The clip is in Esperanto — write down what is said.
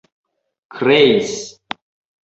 kreis